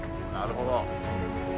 なるほど。